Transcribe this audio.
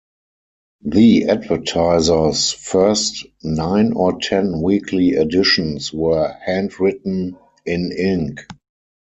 The "Advertiser"'s first nine or ten weekly editions were handwritten in ink.